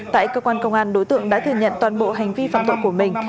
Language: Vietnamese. tại cơ quan công an đối tượng đã thừa nhận toàn bộ hành vi phạm tội của mình